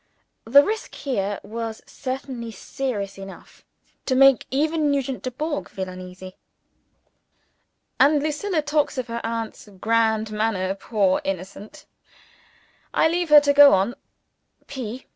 The risk here was certainly serious enough to make even Nugent Dubourg feel uneasy. And Lucilla talks of her aunt's "grand manner!" Poor innocent! I leave her to go on. P.